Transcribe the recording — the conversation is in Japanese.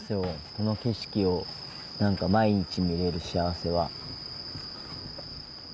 この景色を毎日見れる幸せは。